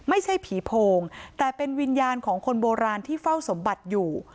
ไม่ใช่ผีโพงแต่เป็นวิญญาณของคนโบราณที่เฝ้าสมบัติอยู่